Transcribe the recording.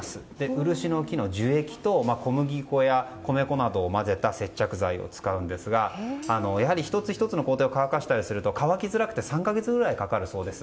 ウルシの木の樹液と小麦粉や米粉などを混ぜた接着剤を使いますがやはり１つ１つを乾かしたりすると乾きづらくて３か月ぐらいかかるそうです。